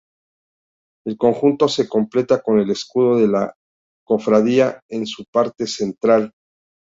El conjunto se completa con el escudo de la cofradía en su parte central.